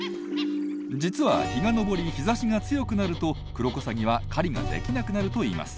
実は日が昇り日ざしが強くなるとクロコサギは狩りができなくなるといいます。